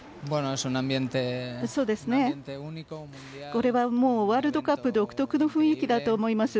これはもうワールドカップ独特の雰囲気だと思います。